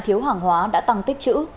thiếu hàng hóa đã tăng tích chữ